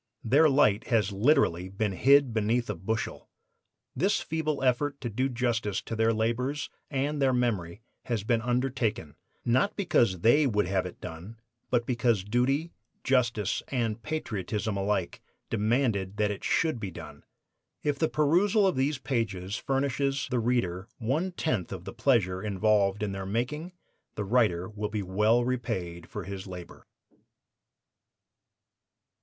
Their light has literally been hid beneath a bushel. This feeble effort to do justice to their labors and their memory has been undertaken, not because they would have it done, but because duty, justice and patriotism alike demanded that it should be done. If the perusal of these pages furnishes the reader one tenth of the pleasure involved in their making, the writer will be well repaid for his labor.